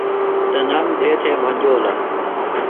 تنام دُھوے تھےۡ بھنجولہ۔